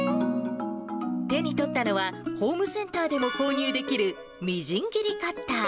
手に取ったのは、ホームセンターでも購入できるみじん切りカッター。